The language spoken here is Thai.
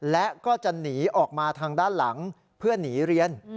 และก็จะหนีออกมาทางด้านหลังเพื่อหนีเรียน